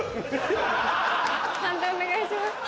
判定お願いします。